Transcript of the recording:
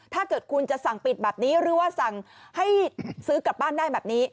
ถ้าเกิดคุณจะสั่งปิดแบบนี้หรือว่าสั่งให้ซื้อกลับบ้านได้แบบนี้